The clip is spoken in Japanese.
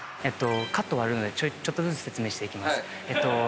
カット割るのでちょっとずつ説明していきます。